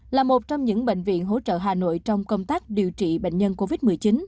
là một trong những bệnh viện hỗ trợ hà nội trong công tác điều trị bệnh nhân covid một mươi chín